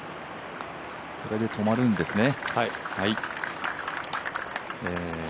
これで止まるんですね。